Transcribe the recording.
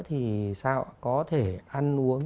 thì sao có thể ăn uống